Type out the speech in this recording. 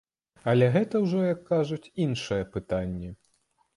Але гэта ўжо, як кажуць, іншае пытанне.